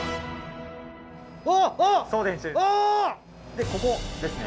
でここですね。